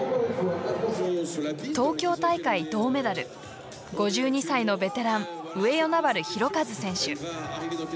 東京大会、銅メダル５２歳のベテラン上与那原寛和選手。